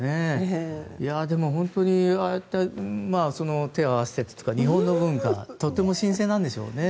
でも本当にああやって手を合わせたりとか日本の文化とても新鮮なんでしょうね。